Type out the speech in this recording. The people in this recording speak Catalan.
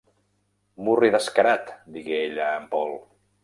"Murri descarat!", digué ella a en Paul.